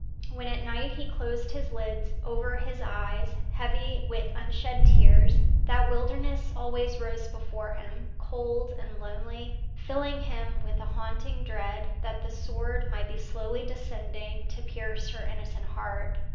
When at night he closed his lids over his eyes heavy with unshed tears, that wilderness always rose before him, cold and lonely, filling him with a haunting dread that the sword might be slowly descending to pierce her innocent heart.